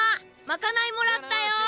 まかないもらったよー。